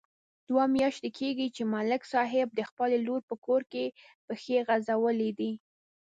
دوه میاشتې کېږي، ملک صاحب د خپلې لور په کور کې پښې غځولې دي.